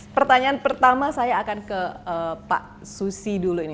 pertanyaan pertama saya akan ke pak susi dulu ini